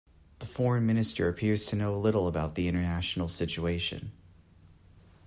The foreign minister appears to know little about the international situation.